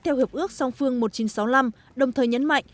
theo hiệp ước song phương một nghìn chín trăm sáu mươi năm đồng thời nhấn mạnh